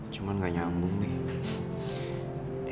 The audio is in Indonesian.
cuman gak nyambung nih